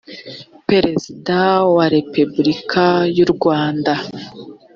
perezida wa repubulika y u rwanda